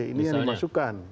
ini yang dimasukkan